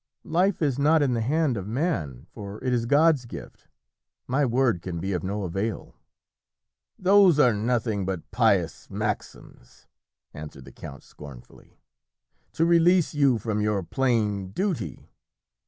"Life is not in the hand of man, for it is God's gift; my word can be of no avail." "Those are nothing but pious maxims," answered the count scornfully, "to release you from your plain duty.